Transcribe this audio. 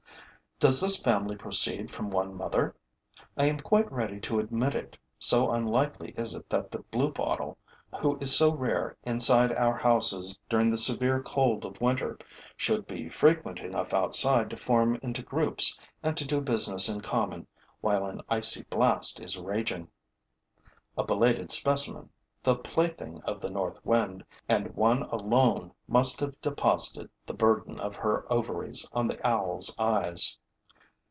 Does this family proceed from one mother? I am quite ready to admit it, so unlikely is it that the bluebottle, who is so rare inside our houses during the severe cold of winter, should be frequent enough outside to form into groups and to do business in common while an icy blast is raging. A belated specimen, the plaything of the north wind, and one alone must have deposited the burden of her ovaries on the owl's eyes.